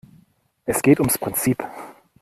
Es geht ums Prinzip.